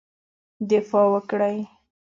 دفاع وکړی.